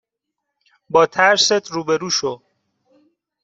با ترسات روبرو شو